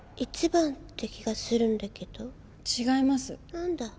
何だ。